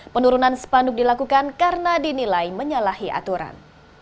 penurunan spanduk dilakukan karena dinilai menyalahi aturan